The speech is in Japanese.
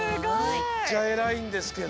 むっちゃえらいんですけど！